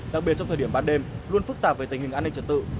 đặc biệt trong thời điểm ban đêm luôn phức tạp về tình hình an ninh trật tự